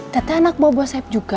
teteh anak buah buah sayap juga